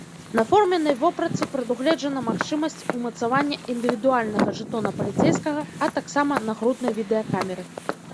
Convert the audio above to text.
На форменнай вопратцы прадугледжана магчымасць умацавання індывідуальнага жэтона паліцэйскага, а таксама нагруднай відэакамеры.